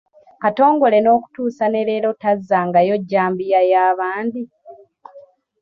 Katongole n’okutuusa ne leero tazzangayo jjambiya ya bandi?